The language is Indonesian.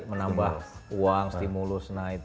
menambah uang stimulus naik